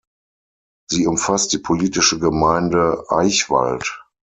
Sie umfasst die politische Gemeinde Aichwald.